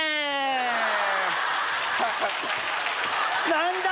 何だ？